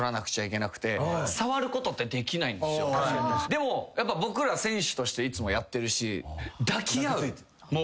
でも僕ら選手としていつもやってるし。